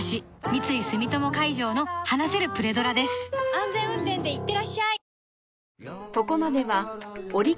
安全運転でいってらっしゃい